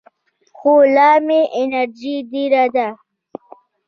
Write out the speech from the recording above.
خو لا مې انرژي ډېره ده.